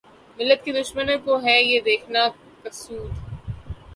ملت کے دشمنوں کو ھے یہ دیکھنا مقصود